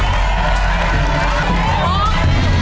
ออกแล้วครับ